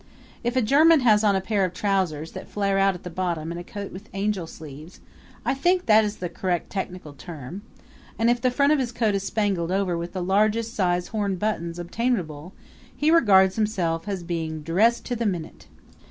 If a German has on a pair of trousers that flare out at the bottom and a coat with angel sleeves I think that is the correct technical term and if the front of his coat is spangled over with the largest sized horn buttons obtainable he regards himself as being dressed to the minute.